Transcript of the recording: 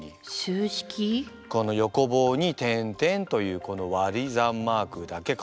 この横棒に点々というこのわり算マークだけかな？